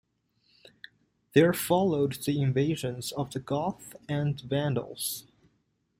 There followed the invasions of the Goths and Vandals.